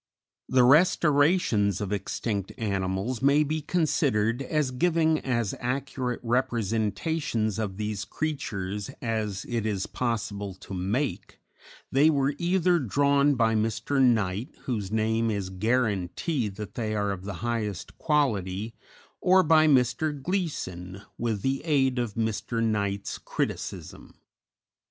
_ _The restorations of extinct animals may be considered as giving as accurate representations of these creatures as it is possible to make; they were either drawn by Mr. Knight, whose name is guarantee that they are of the highest quality, or by Mr. Gleeson, with the aid of Mr. Knight's criticism.